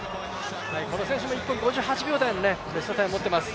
この選手も１分５８秒台のタイムを持っています。